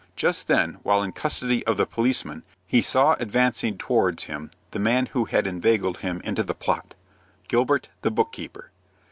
Just then, while in custody of the policeman, he saw advancing towards him the man who had inveigled him into the plot, Gilbert, the book keeper.